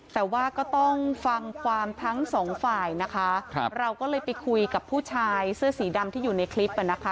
แต่ว่าก็ต้องฟังความทั้งสองฝ่ายนะคะครับเราก็เลยไปคุยกับผู้ชายเสื้อสีดำที่อยู่ในคลิปอ่ะนะคะ